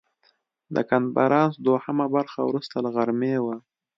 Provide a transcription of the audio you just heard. د کنفرانس دوهمه برخه وروسته له غرمې وه.